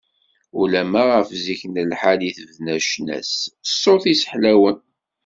Ulamma ɣef zik n lḥal i tebda ccna s ṣṣut-is ḥlawen.